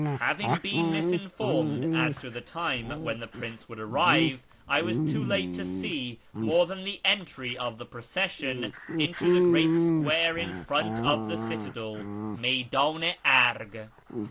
Having been misinformed as to the time when the Prince *^ould arrive, I was too late to see more than the entry of the recession into the great square in front of the citadel {McydAn ■Arg).